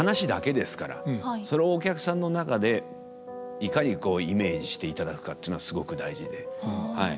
それをお客さんの中でいかにこうイメージしていただくかっていうのがすごく大事ではい。